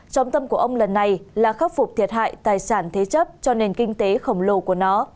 trọng tâm của ông lần này là khắc phục thiệt hại tài sản thế chấp cho nền kinh tế khổng lồ của nó